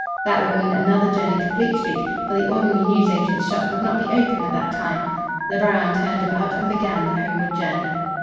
That would mean another journey to Fleet Street, for the ordinary news agents' shops would not be open at that time. The brougham turned about and began the homeward journey.